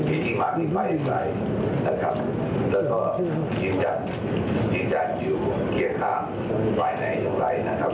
แล้วก็จีนจัดอยู่เกลียดคามภายในอย่างไรนะครับ